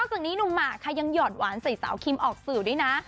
จากนี้หนุ่มหมากค่ะยังหอดหวานใส่สาวคิมออกสื่อด้วยนะ